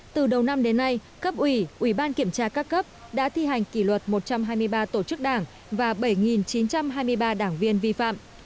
từ đầu năm đến nay cấp ủy ủy ban kiểm tra các cấp đã thi hành kỷ luật một trăm hai mươi ba tổ chức đảng và bảy chín trăm hai mươi ba đảng viên vi phạm